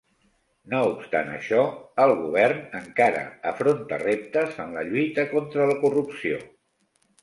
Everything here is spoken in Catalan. No obstant això, el govern encara afronta reptes en la lluita contra la corrupció.